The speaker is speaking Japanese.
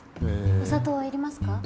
お砂糖はいりますか？